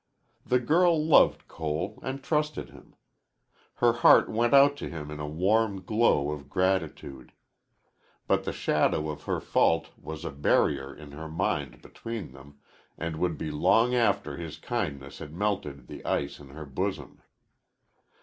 The girl loved Cole and trusted him. Her heart went out to him in a warm glow of gratitude. But the shadow of her fault was a barrier in her mind between them, and would be long after his kindness had melted the ice in her bosom.